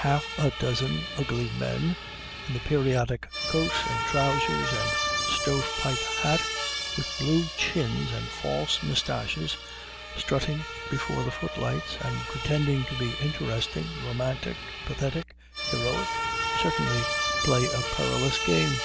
Half a dozen ugly men, in the periodic coat and trousers and stove pipe hat, with blue chins and false mustaches, strutting before the footlights, and pretending to be interesting, romantic, pathetic, heroic, certainly play a perilous game.